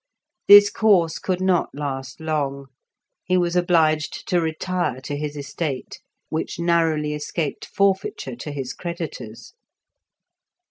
This course could not last long; he was obliged to retire to his estate, which narrowly escaped forfeiture to his creditors.